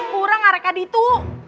kurang ada di situ